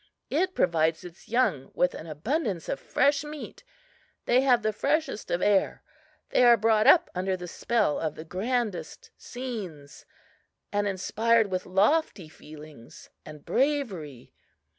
It provides its young with an abundance of fresh meat. They have the freshest of air. They are brought up under the spell of the grandest scenes, and inspired with lofty feelings and bravery.